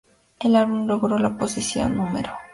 El álbum logró la posición No.